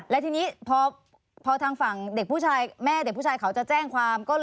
และทีนี้พอทางฝั่งเด็กผู้ชายแม่เด็กผู้ชายเขาจะแจ้งความ